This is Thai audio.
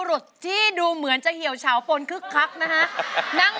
ร้องได้ให้ร้าน